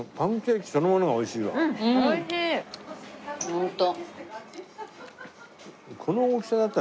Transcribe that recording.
ホント。